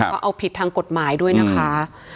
ก็เอาผิดทางกฎหมายด้วยนะคะ